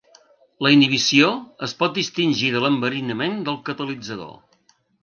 La inhibició es pot distingir de l'enverinament del catalitzador.